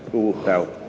khu vực tàu